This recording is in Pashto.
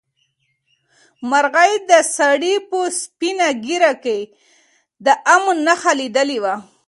مرغۍ د سړي په سپینه ږیره کې د امن نښه لیدلې وه.